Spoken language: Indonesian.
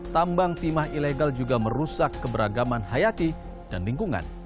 tambang timah ilegal juga merusak keberagaman hayati dan lingkungan